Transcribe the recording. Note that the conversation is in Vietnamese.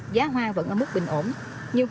giá hoa vẫn ở mức bình ổn